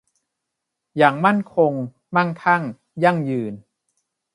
อย่างมั่นคง มั่งคั่ง ยั่งยืน